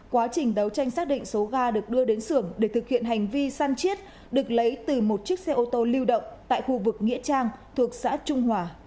quá trình đấu tranh xác định số gà được đưa đến xưởng để thực hiện hành vi san chết được lấy từ một chiếc xe ô tô lưu động tại khu vực nghĩa trang thuộc xã trung hòa huyện yên mỹ